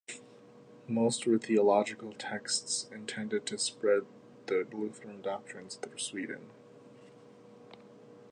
Most were theological texts intended to spread the Lutheran doctrines through Sweden.